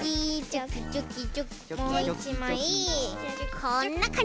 こんなかんじ。